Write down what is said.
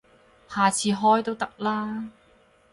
下次開都得啦